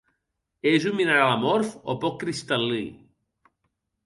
És un mineral amorf o poc cristal·lí.